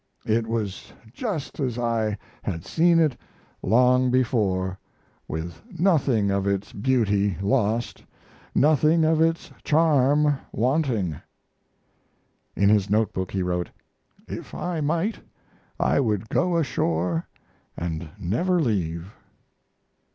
It was just as I had seen it long before, with nothing of its beauty lost, nothing of its charm wanting. In his note book he wrote: "If I might, I would go ashore and never leave."